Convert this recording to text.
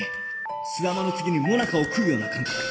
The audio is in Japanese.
すあまの次に最中を食うような感覚